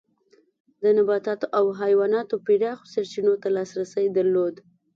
د نباتاتو او حیواناتو پراخو سرچینو ته لاسرسی درلود.